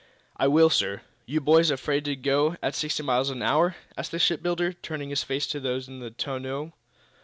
"I will, sir." "You boys afraid to go at sixty miles an hour?" asked the shipbuilder, turning to face those in the tonneau.